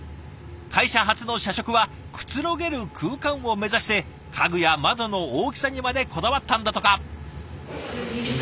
会社初の社食はくつろげる空間を目指して家具や窓の大きさにまでこだわったんだとか。